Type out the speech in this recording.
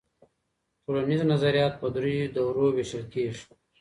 ټولنیز نظریات په درېیو دورو وېشل کيږي.